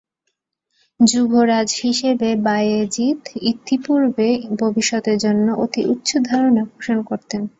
যুবরাজ হিসেবে বায়েজীদ ইতিপূর্বে ভবিষ্যতের জন্য অতি উচ্চ ধারণা পোষণ করতেন।